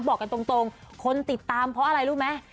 บอกกันตรงคนติดตามเพราะอะไรรู้ไหม